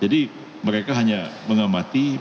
jadi mereka hanya mengamati mengingatkan